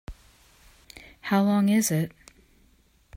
How long is it?